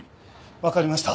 わかりました。